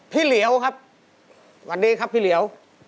เหลียวครับวันนี้ครับพี่เหลียว